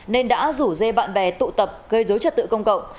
nên đã rủ dê bạn bè tụ tập gây dối trật tự công cộng